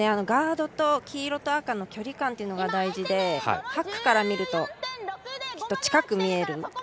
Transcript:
ガードと黄色と赤の距離感が大事でハックから見ると、きっと近く見える。